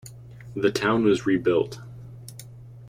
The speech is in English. The town was rebuilt.